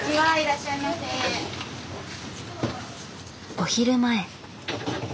お昼前。